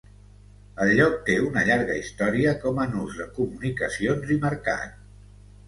El lloc té una llarga història com a nus de comunicacions i mercat.